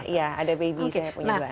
iya ada baby saya punya dua anak